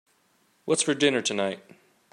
What's for dinner tonight?